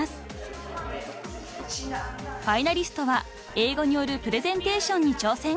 ［ファイナリストは英語によるプレゼンテーションに挑戦］